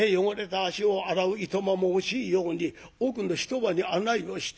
足を洗ういとまも惜しいように奥の一間に案内をして。